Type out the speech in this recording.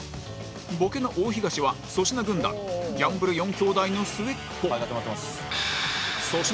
ボケの大東は粗品軍団ギャンブル四兄弟の末っ子